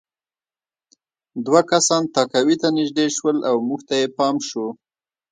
دوه کسان تهکوي ته نږدې شول او موږ ته یې پام شو